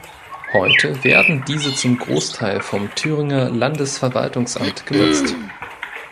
Heute werden diese zum Großteil vom Thüringer Landesverwaltungsamt genutzt.